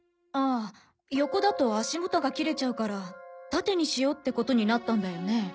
ああ横だと足元が切れちゃうから縦にしようってことになったんだよね？